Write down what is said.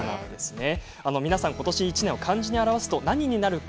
皆さん今年１年を漢字に表すと何になりますか？